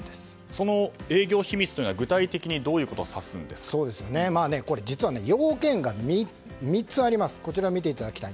その営業秘密というのは具体的に実は要件が３つあります。